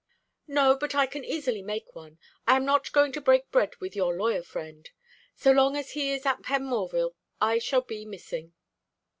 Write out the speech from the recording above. "No, but I can easily make one. I am not going to break bread with your lawyer friend. So long as he is at Penmorval I shall be missing."